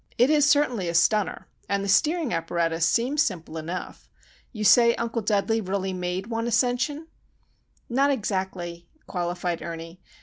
It is certainly a stunner; and the steering apparatus seems simple enough. You say Uncle Dudley really made one ascension?" "Not exactly," qualified Ernie.